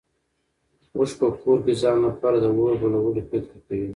اوښ په کور کې ځان لپاره د اور بلولو فکر کوي.